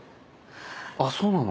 あそうなの？